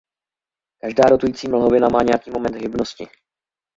Každá rotující mlhovina má nějaký moment hybnosti.